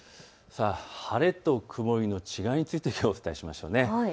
晴れと曇りの違いについてきょう、お伝えしましょう。